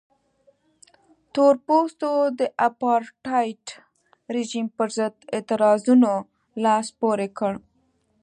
تور پوستو د اپارټایډ رژیم پرضد اعتراضونو لاس پورې کړ.